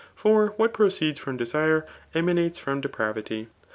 For what proceeds from destrCf* emanates from depravity.